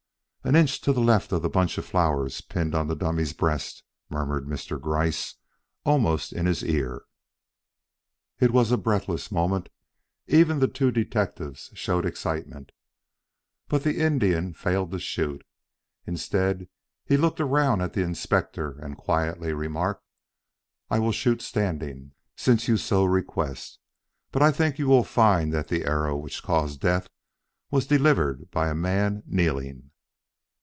"An inch to the left of the bunch of flowers pinned on the dummy's breast," murmured Mr. Gryce almost in his ear. It was a breathless moment; even the two detectives showed excitement. But the Indian failed to shoot. Instead, he looked around at the Inspector and quietly remarked: "I will shoot standing, since you so request, but I think you will find that the arrow which caused death was delivered by a man kneeling."